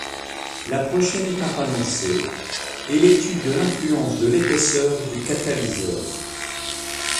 La prochaine étape annoncée est l'étude de l'influence de l'épaisseur du catalyseur.